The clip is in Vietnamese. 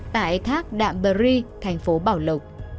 tại thác đạm bờ ri thành phố bảo lục